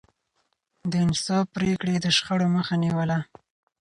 د انصاف پرېکړې يې د شخړو مخه نيوله.